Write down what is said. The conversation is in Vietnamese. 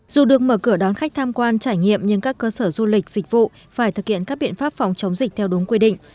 dù được mở cửa đón khách tham quan trải nghiệm nhưng các cơ sở du lịch dịch vụ phải thực hiện các biện pháp phòng chống dịch theo đúng quy định